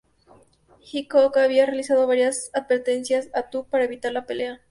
Hickok había realizado varias advertencias a Tutt para evitar la pelea.